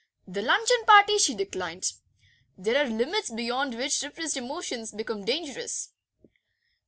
The luncheon party she declined; there are limits beyond which repressed emotions become dangerous.